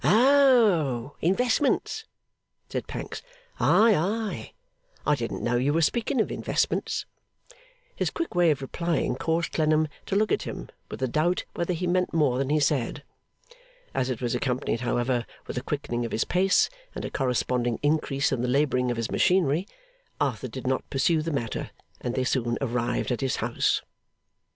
'Oh! Investments,' said Pancks. 'Ay, ay! I didn't know you were speaking of investments.' His quick way of replying caused Clennam to look at him, with a doubt whether he meant more than he said. As it was accompanied, however, with a quickening of his pace and a corresponding increase in the labouring of his machinery, Arthur did not pursue the matter, and they soon arrived at his house.